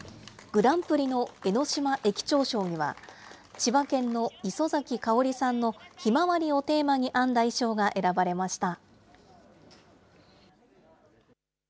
グランプリの江ノ島駅長賞には、千葉県の磯崎香織さんのひまわりをテーマに編んだ衣装が選ばれました。